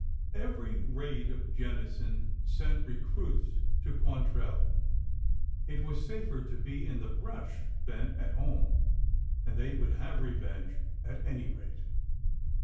Every raid of Jennison sent recruits to Quantrell. It was safer to be in the brush than at home — and they would have revenge, at any rate.